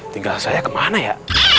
tinggal saya kemana ya